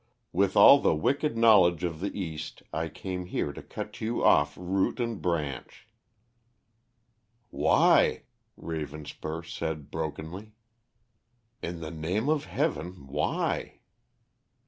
With all the wicked knowledge of the East I came here to cut you off root and branch." "Why?" Ravenspur said brokenly. "In the name of Heaven, why?"